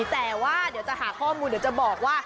แต่ว่าเดี๋ยวจะหาข้อมูลเดี๋ยวจะบอกว่า